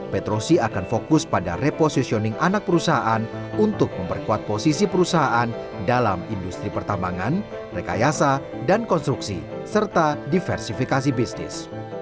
petrosi akan fokus pada repositioning anak perusahaan untuk memperkuat posisi perusahaan dalam industri pertambangan rekayasa dan konstruksi serta diversifikasi bisnis